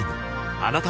あなたも